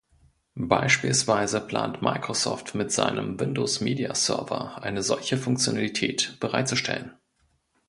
Beispielsweise plant Microsoft, mit seinem Windows Media Server eine solche Funktionalität bereitzustellen.